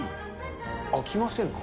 飽きませんか？